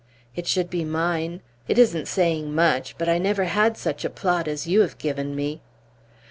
"It should be mine. It isn't saying much; but I never had such a plot as you have given me!"